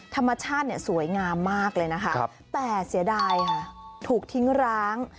ธรรมชาติเนี่ยสวยงามมากเลยนะคะแต่เสียดายค่ะถูกทิ้งร้าง